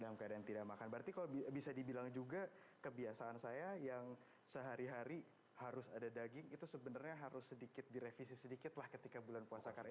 dalam keadaan tidak makan berarti kalau bisa dibilang juga kebiasaan saya yang sehari hari harus ada daging itu sebenarnya harus sedikit direvisi sedikit lah ketika bulan puasa karya